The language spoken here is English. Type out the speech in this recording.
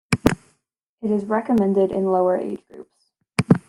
It is recommended in lower age groups.